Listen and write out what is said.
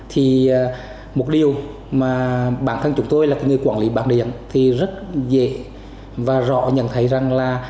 thì một điều mà bản thân chúng tôi là cái người quản lý bảng điện thì rất dễ và rõ nhận thấy rằng là